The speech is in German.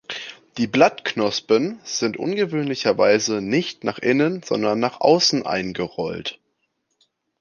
Die Blattknospen sind ungewöhnlicherweise nicht nach innen, sondern nach außen eingerollt.